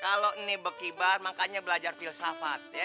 kalau ini bekibar makanya belajar filsafat